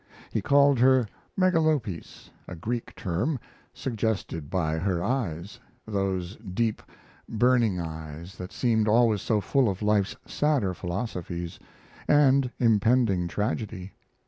He called her Megalopis, a Greek term, suggested by her eyes; those deep, burning eyes that seemed always so full of life's sadder philosophies, and impending tragedy.